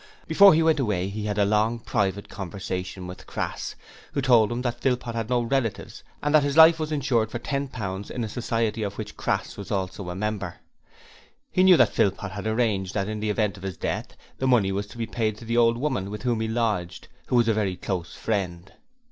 Before he went away he had a long, private conversation with Crass, who told him that Philpot had no relatives and that his life was insured for ten pounds in a society of which Crass was also a member. He knew that Philpot had arranged that in the event of his death the money was to be paid to the old woman with whom he lodged, who was a very close friend.